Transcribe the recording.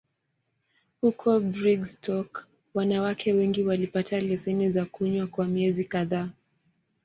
Huko Brigstock, wanawake wengine walipata leseni za kunywa kwa miezi kadhaa.